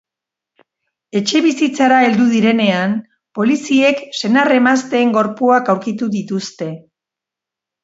Etxebizitzara heldu direnean, poliziek senar-emazteen gorpuak aurkitu dituzte.